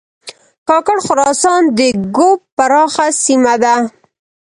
کاکړ خراسان د ږوب پراخه سیمه ده